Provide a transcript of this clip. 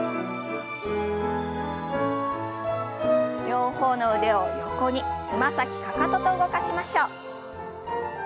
両方の腕を横につま先かかとと動かしましょう。